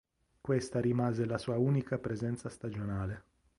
Questa rimase la sua unica presenza stagionale.